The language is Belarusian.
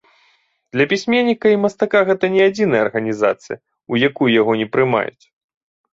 Для пісьменніка і мастака гэта не адзіная арганізацыя, у якую яго не прымаюць.